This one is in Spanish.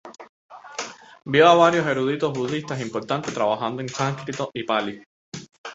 Vio a varios eruditos budistas importantes trabajando en Sánscrito y Pali.